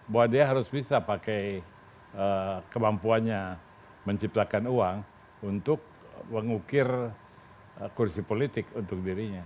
bahwa dia harus bisa pakai kemampuannya menciptakan uang untuk mengukir kursi politik untuk dirinya